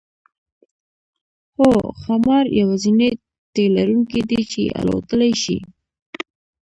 هو ښامار یوازینی تی لرونکی دی چې الوتلی شي